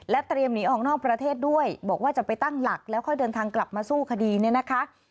เตรียมหนีออกนอกประเทศด้วยบอกว่าจะไปตั้งหลักแล้วค่อยเดินทางกลับมาสู้คดีเนี่ยนะคะ